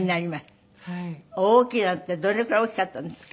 「大きな」ってどれぐらい大きかったんですか？